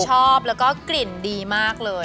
ชอบแล้วก็กลิ่นดีมากเลย